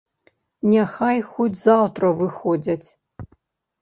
Няхай хоць заўтра выходзяць.